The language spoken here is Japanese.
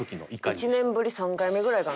１年ぶり３回目ぐらいかな？